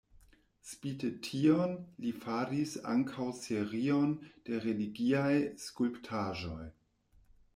Spite tion, li faris ankaŭ serion de religiaj skulptaĵoj.